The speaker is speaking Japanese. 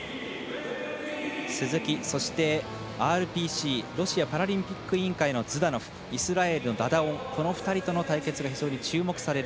鈴木、ＲＰＣ＝ロシアパラリンピック委員会のズダノフイスラエルのダダオンこの２人との戦いが非常に注目される